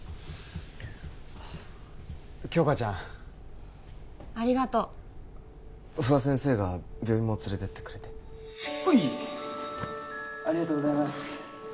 杏花ちゃんありがとう不破先生が病院も連れてってくれてほいありがとうございます